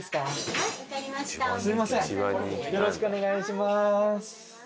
よろしくお願いします。